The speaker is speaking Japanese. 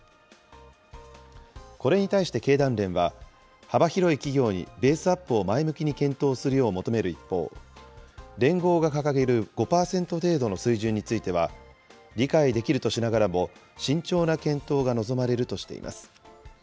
これに対して経団連は、幅広い企業にベースアップを前向きに検討するよう求める一方、連合が掲げる５％程度の水準については、理解できるとしながらも、慎重な検討が望まれるとしています。